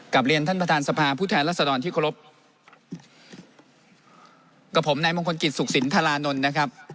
เรียนท่านประธานสภาผู้แทนรัศดรที่เคารพกับผมนายมงคลกิจสุขสินธารานนท์นะครับ